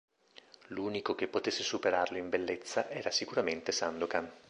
L'unico che potesse superarlo in bellezza era sicuramente Sandokan.